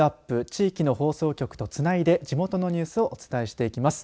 地域の放送局とつないで地元のニュースをお伝えしていきます。